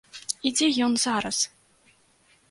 І дзе ён зараз?